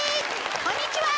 こんにちは！